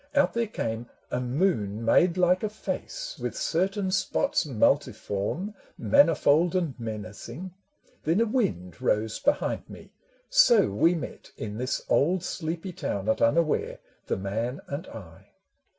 Out there came A moon made like a face with certain spots Multiform, manifold and menacing : Then a wind rose behind me. So we met In this old sleepy town at unaware, The man and I.